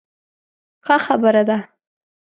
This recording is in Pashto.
ښه خبره ده.